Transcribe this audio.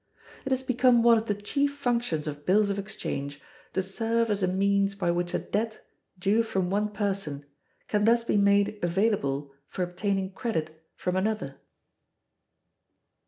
It has become one of the chief functions of bills of exchange to serve as a means by which a debt due from one person can thus be made available for obtaining credit from another.